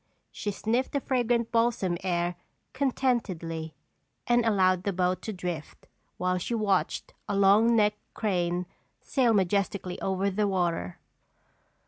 She sniffed the fragrant balsam air contentedly and allowed the boat to drift while she watched a long necked crane sail majestically over the water.